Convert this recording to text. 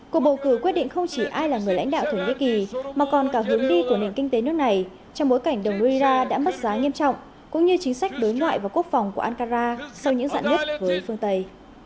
cuộc bầu cử quyết định không chỉ ai là người lãnh đạo thổ nhĩ kỳ mà còn cả hướng đi của nền kinh tế nước này trong bối cảnh đồng ruira đã mất giá nghiêm trọng cũng như chính sách đối ngoại và quốc phòng của ankara sau những dặn nhất với phương tây